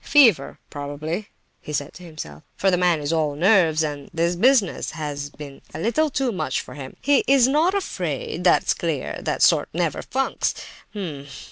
"Fever, probably," he said to himself, "for the man is all nerves, and this business has been a little too much for him. He is not afraid, that's clear; that sort never funks! H'm!